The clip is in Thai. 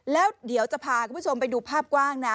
แล้วเดี๋ยวจะพาคุณผู้ชมไปดูภาพกว้างนะ